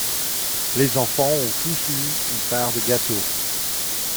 Les enfants ont tous eu une part de gâteau.